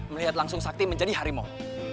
melihat langsung sakti menjadi harimau